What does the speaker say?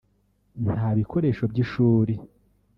ntabikoresho by’ishuri